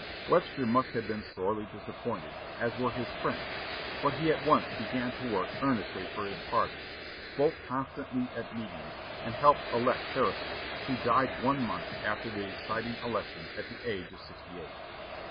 Webster must have been sorely disappointed, as were his friends, but he at once began to work earnestly for his party, spoke constantly at meetings, and helped to elect Harrison, who died one month after the exciting election, at the age of sixty eight.